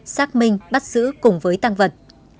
xác minh bắt xử cùng với tăng vật